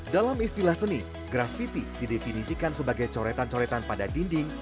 dalam istilah seni grafiti didefinisikan sebagai coretan coretan pada dinding